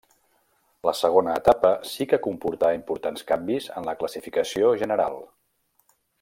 La segona etapa sí que comportà importants canvis en la classificació general.